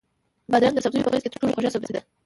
بادرنګ د سبزیو په منځ کې تر ټولو خوږ سبزی ده.